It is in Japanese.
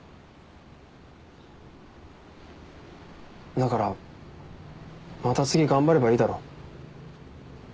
だからまた次頑張ればいいだろ。